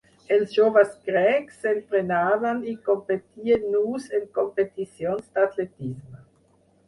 Els joves grecs s'entrenaven i competien nus en competicions d'atletisme.